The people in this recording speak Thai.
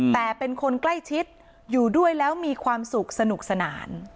แต่เป็นคนใกล้ชิดอยู่ด้วยแล้วมีความสุขสนุกสนาน